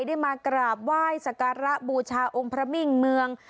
ได้มากราบไหว้สการะบูชาองค์พระมิ่งเมือง